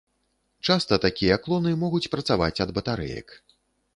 Часта такія клоны могуць працаваць ад батарэек.